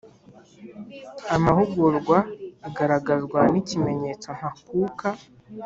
Amahugurwa igaragazwa n’ikimenyetso ntakuka